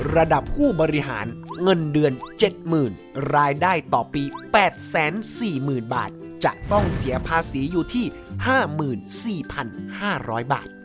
ระดับผู้บริหารเงินเดือน๗๐๐รายได้ต่อปี๘๔๐๐๐บาทจะต้องเสียภาษีอยู่ที่๕๔๕๐๐บาท